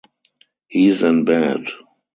He's in bed.